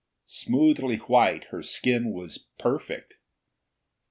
Smoothly white, her skin was, perfect.